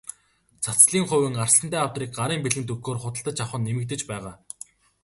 Цацлын хувин, арслантай авдрыг гарын бэлгэнд өгөхөөр худалдаж авах нь нэмэгдэж байгаа.